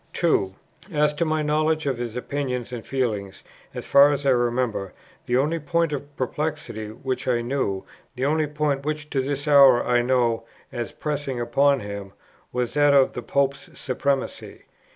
"2. As to my knowledge of his opinions and feelings, as far as I remember, the only point of perplexity which I knew, the only point which to this hour I know, as pressing upon him, was that of the Pope's supremacy.